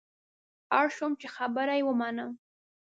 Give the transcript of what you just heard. اړ شوم چې خبره یې ومنم.